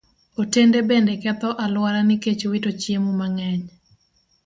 Otende bende ketho alwora nikech wito chiemo mang'eny.